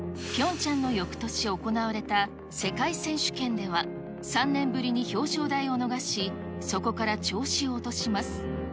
ピョンチャンのよくとし行われた世界選手権では、３年ぶりに表彰台を逃し、そこから調子を落とします。